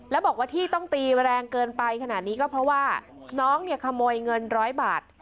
แล้วบอกว่าที่ต้องตีแรงเกินไปขนาดนี้ก็เพราะว่าน้องเนี่ยขโมยเงินร้อยบาท